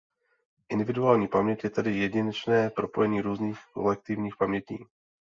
Individuální paměť je tedy jedinečné propojení různých kolektivních pamětí.